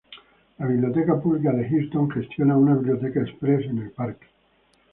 La Biblioteca Pública de Houston gestiona una biblioteca "express" en el parque.